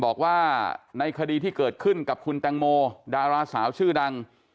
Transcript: บอกว่าในคดีที่เกิดขึ้นกับคุณแตงโมดาราสาวชื่อดัง